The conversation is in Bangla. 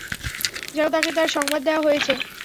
যেন তাকে তার সংবাদ দেয়া হয়েছে।